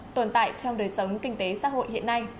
tồn tại trong đời sống kinh tế xã hội hiện nay